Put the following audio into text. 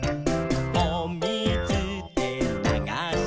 「おみずでながして」